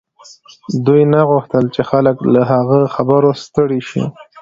دوی نه غوښتل چې خلک د هغه له خبرو ستړي شي